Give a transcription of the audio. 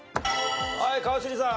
はい川尻さん。